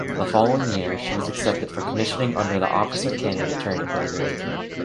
The following year, she was accepted for commissioning under the Officer Candidate training program.